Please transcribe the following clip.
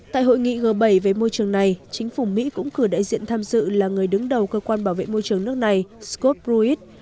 tại hội nghị g bảy về môi trường này chính phủ mỹ cũng cử đại diện tham dự là người đứng đầu cơ quan bảo vệ môi trường nước này scott bruit